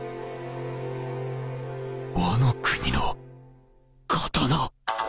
ワノ国の刀！